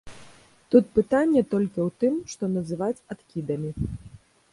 Тут пытанне толькі ў тым, што называць адкідамі.